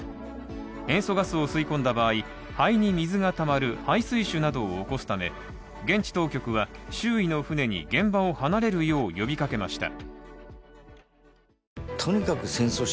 塩素ガスを吸い込んだ場合、肺に水がたまる肺水腫などを起こすため現地当局には周囲の船に現場を離れるよう呼びかけました。